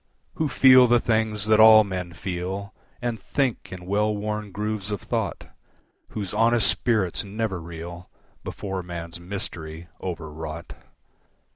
Who feel the things that all men feel, And think in well worn grooves of thought, Whose honest spirits never reel Before man's mystery, overwrought.